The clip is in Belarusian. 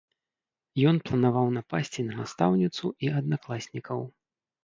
Ён планаваў напасці на настаўніцу і аднакласнікаў.